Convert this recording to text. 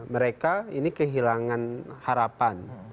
mereka ini kehilangan harapan